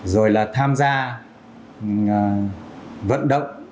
rồi là tham gia vận động